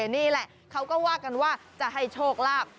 นี่แหละเขาก็ว่ากันว่าจะให้โชคลาภ